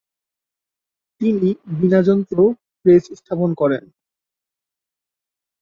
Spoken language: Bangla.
তিনি 'বীণাযন্ত্র' প্রেস স্থাপন করেন।